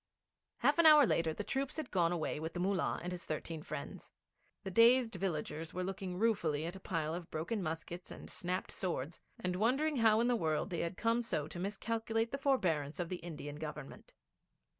Half an hour later the troops had gone away with the Mullah and his thirteen friends. The dazed villagers were looking ruefully at a pile of broken muskets and snapped swords, and wondering how in the world they had come so to miscalculate the forbearance of the Indian Government.